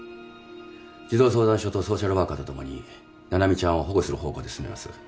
児童相談所とソーシャルワーカーと共に七海ちゃんを保護する方向で進めます。